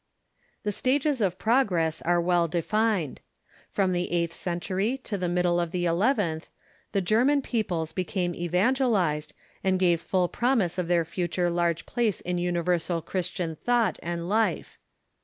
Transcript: The stages of progress are well defined. From the eighth EETROSPECT 191 centtiry to the middle of the eleventh the German peoples be came evangelized, and gave full promise of their future large place in universal Christian thought and life.